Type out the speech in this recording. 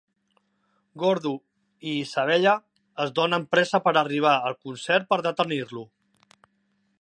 Gordo i Isabella es donen pressa per arribar al concert per detenir-lo.